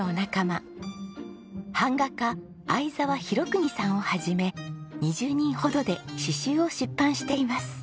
版画家相澤弘邦さんをはじめ２０人ほどで詩集を出版しています。